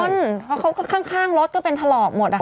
เพราะเขาก็ข้างรถก็เป็นถลอกหมดอะค่ะ